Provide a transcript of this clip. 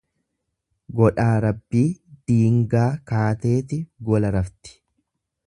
Godhaa Rabbii diingaa kaateeti gola rafti.